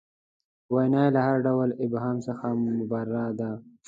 وینا یې له هر ډول ابهام څخه مبرا ده.